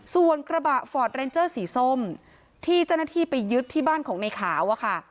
ส่วนกระบะฟอร์ดเรนเจอร์สีส้มที่เจ้าหน้าที่ไปยึดที่บ้านของในขาวอะค่ะ